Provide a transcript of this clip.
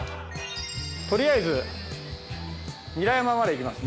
とりあえず韮山まで行きます。